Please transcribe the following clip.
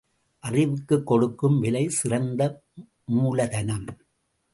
அறிவுக்குக் கொடுக்கும் விலை சிறந்த மூலதனம்.